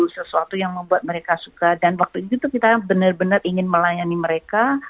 sesuatu yang membuat mereka suka dan waktu itu kita benar benar ingin melayani mereka